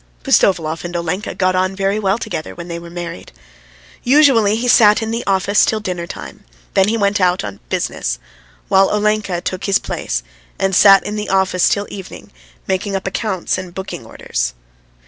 Pustovalov and Olenka got on very well together when they were married. Usually he sat in the office till dinner time, then he went out on business, while Olenka took his place, and sat in the office till evening, making up accounts and booking orders.